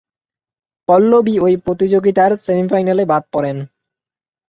পল্লবী ঐ প্রতিযোগিতার সেমিফাইনালে বাদ পরেন।